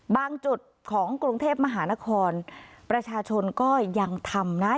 จุดของกรุงเทพมหานครประชาชนก็ยังทำนะ